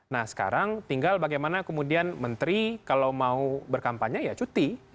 nah sekarang tinggal bagaimana kemudian menteri kalau mau berkampanye ya cuti